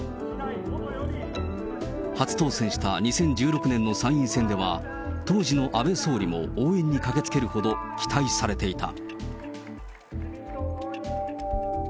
初当選した２０１６年の参院選では、当時の安倍総理も応援に駆けつけるほど期待されていた。